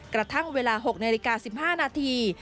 กระทั่งเวลา๖นาฬิกา๑๕นาที